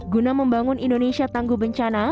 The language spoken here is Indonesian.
guna membangun indonesia tangguh bencana